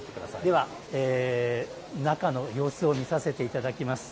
では中の様子を見させていただきます。